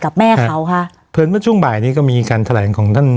แม่เขาค่ะเผินเมื่อช่วงบ่ายนี้ก็มีการแถลงของท่าน